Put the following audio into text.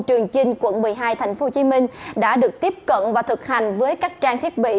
trường chinh quận một mươi hai tp hcm đã được tiếp cận và thực hành với các trang thiết bị